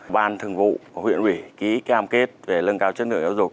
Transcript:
ban thường vụ của huyện ủy ký cam kết về lân cao chất lượng giáo dục